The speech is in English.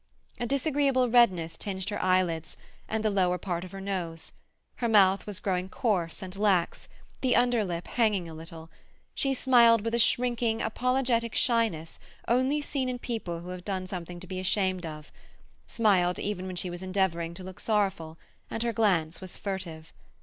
A disagreeable redness tinged her eyelids and the lower part of her nose; her mouth was growing coarse and lax, the under lip hanging a little; she smiled with a shrinking, apologetic shyness only seen in people who have done something to be ashamed of—smiled even when she was endeavouring to look sorrowful; and her glance was furtive.